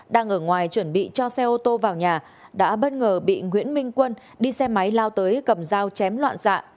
đang ở ngoài chuẩn bị cho xe ô tô vào nhà đã bất ngờ bị nguyễn minh quân đi xe máy lao tới cầm dao chém loạn xạ